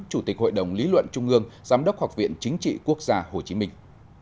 chủ tịch hội đồng lý luận trung ương giám đốc học viện chính trị quốc gia hồ chí minh